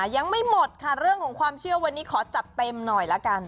ยังไม่หมดค่ะเรื่องของความเชื่อวันนี้ขอจัดเต็มหน่อยละกัน